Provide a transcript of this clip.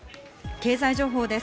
経済情報です。